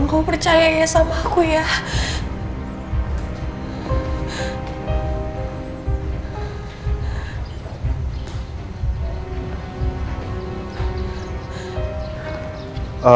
aku percaya ya sama aku ya